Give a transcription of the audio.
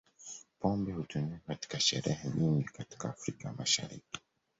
Pombe hutumika katika sherehe nyingi katika Afrika ya Mashariki.